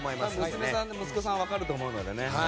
娘さんや息子さんは分かると思いますのでね。